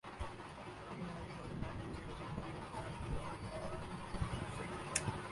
یہ ماضی پاکستان کی سیاسی تاریخ کا جزو لا ینفک ہے۔